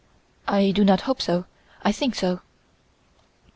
"I do not hope so, I think so."